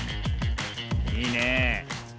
いいね。